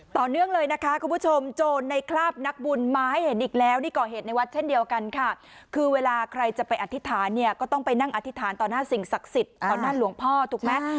ต่อเนื่องเลยนะคะคุณผู้ชมโจรในคราบนักบุญมาให้เห็นอีกแล้วนี่ก่อเหตุในวัดเช่นเดียวกันค่ะคือเวลาใครจะไปอธิษฐานเนี่ยก็ต้องไปนั่งอธิษฐานต่อหน้าสิ่งศักดิ์สิทธิ์ต่อหน้าหลวงพ่อถูกไหม